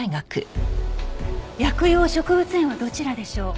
薬用植物園はどちらでしょう？